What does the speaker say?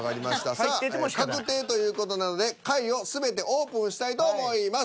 さあ確定という事なので下位を全てオープンしたいと思います。